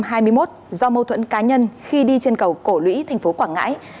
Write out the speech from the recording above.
năm hai nghìn hai mươi một do mâu thuẫn cá nhân khi đi trên cầu cổ lũy tp quảng ngãi